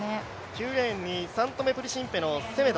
９レーンにサントメ・プリンシペのセメド。